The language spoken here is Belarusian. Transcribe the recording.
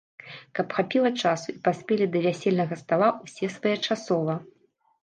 Каб хапіла часу і паспелі да вясельнага стала ўсе своечасова.